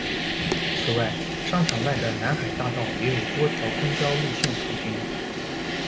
此外，商场外的南海大道也有多条公交路线途经。